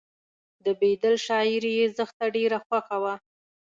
د بیدل شاعري یې زښته ډېره خوښه وه